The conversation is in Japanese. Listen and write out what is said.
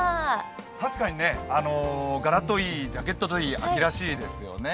確かに柄といい、ジャケットといい秋らしいですよね。